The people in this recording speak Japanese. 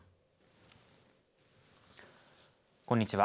こんにちは。